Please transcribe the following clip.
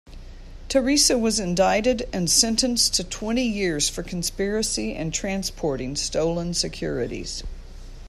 Teresa was indicted and sentenced to twenty years for conspiracy and transporting stolen securities.